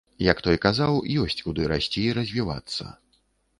Як той казаў, ёсць куды расці і развівацца.